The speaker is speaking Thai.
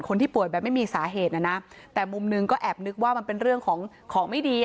คนที่ป่วยแบบไม่มีสาเหตุนะนะแต่มุมหนึ่งก็แอบนึกว่ามันเป็นเรื่องของของไม่ดีอ่ะ